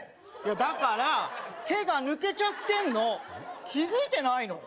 だから「け」が抜けちゃってんの気付いてないの？